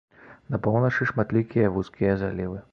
На поўначы шматлікія вузкія залівы.